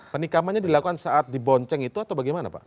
penikamannya dilakukan saat dibonceng itu atau bagaimana pak